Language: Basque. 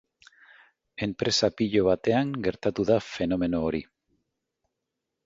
Enpresa pilo batean gertatu da fenomeno hori.